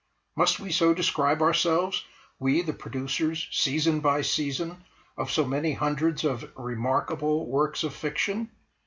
Must we so describe ourselves, we, the producers, season by season, of so many hundreds of "remarkable" works of fiction?